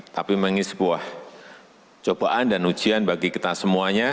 tapi memang ini sebuah cobaan dan ujian bagi kita semuanya